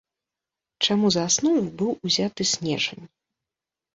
Чаму за аснову быў узяты снежань?